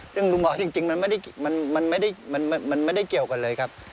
ซึ่งลุงบอกจริงมันไม่ได้เกี่ยวกันเลยครับ